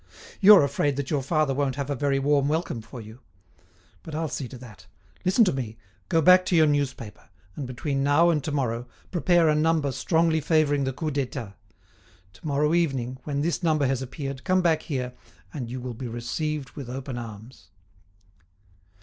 "You're afraid that your father won't have a very warm welcome for you. But I'll see to that. Listen to me: go back to your newspaper, and, between now and to morrow, prepare a number strongly favouring the Coup d'État. To morrow evening, when this number has appeared, come back here and you will be received with open arms."